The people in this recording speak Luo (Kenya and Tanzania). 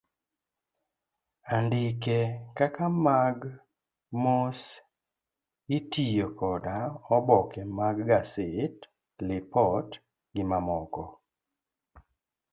Andike kaka mag mos itiyo koda oboke mag gazet, lipot, gi mamoko.